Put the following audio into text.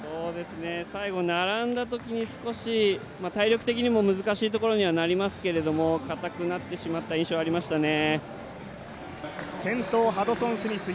最後並んだときに少し体力的にも難しいところにはなりますけれどもかたくなってしまった印象がありましたね。